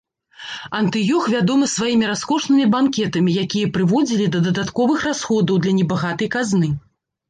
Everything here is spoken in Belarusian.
Антыёх вядомы сваімі раскошнымі банкетамі, якія прыводзілі да дадатковых расходаў для небагатай казны.